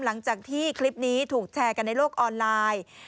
หลังจากที่คลิปนี้ถูกแชร์กันในโลกออนไลน์